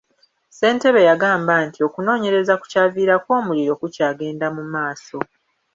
Ssentebe yagamba nti okunoonyereza ku kyaviirako omuliro kukyagenda maaso.